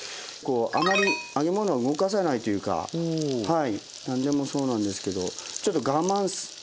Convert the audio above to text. あまり揚げ物は動かさないというか何でもそうなんですけどちょっと我慢。